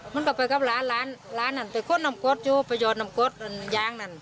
มันก็ไปกับหลานหลานนั้นไปคุดนำกดอยู่ไปยอดนำกดยางนั้น